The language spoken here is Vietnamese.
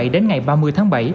đến ngày ba mươi tháng bảy